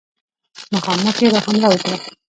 مخامخ یې را حمله وکړه.